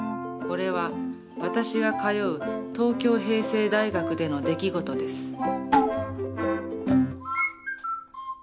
これは私が通う東京平成大学での出来事です。